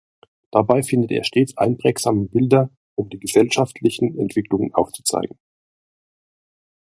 Dabei findet er stets einprägsame Bilder, um die gesellschaftlichen Entwicklungen aufzuzeigen.